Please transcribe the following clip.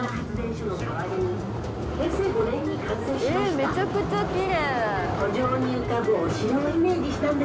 めちゃくちゃきれい。